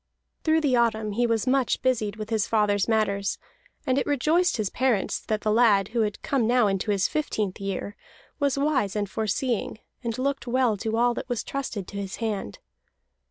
Through the autumn he was much busied with his father's matters; and it rejoiced his parents that the lad, who had come now into his fifteenth year, was wise and foreseeing, and looked well to all that was trusted to his hand.